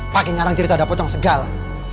pak yang ngarang cerita ada pocong segala